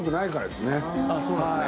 △そうなんですね。